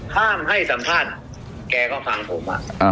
ห้ามให้สัมภาษณ์แกก็ฟังผม